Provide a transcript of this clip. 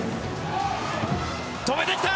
止めてきた！